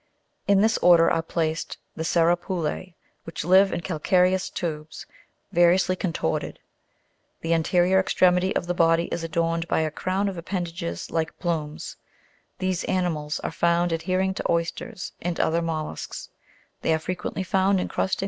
17. In this order are placed the SER PULJE, which live in calcareous tubes, vari ously contorted ; the anterior extremity of the body is adorned by a crown of ap pendages like plumes : these animals are found adhering to oysters and other mol lusks.